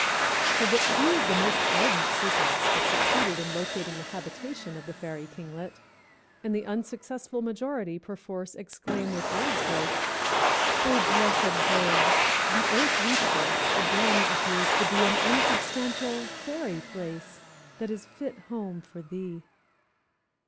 For but few of the most ardent seekers have succeeded in locating the habitation of the fairy kinglet, and the unsuccessful majority perforce exclaim with Wordsworth, "Oh, blessed bird! The earth we pace Again appears to be An unsubstantial, fairy place, That is fit home for thee!"